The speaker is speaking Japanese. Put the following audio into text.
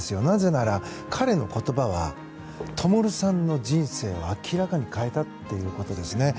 なぜなら、彼の言葉は灯さんの人生を明らかに変えたということです。